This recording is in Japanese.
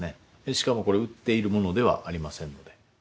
しかもこれ売っているものではありませんので。